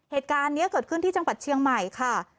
เหตุการณ์นี้เกิดขึ้นที่จังหวัดเชียงใหม่ค่ะ